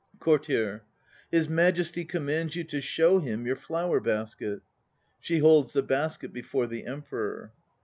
COURTIER. His Majesty commands you to show him your flower basket. (She holds the basket before the EMPEROR.)